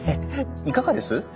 いかがです？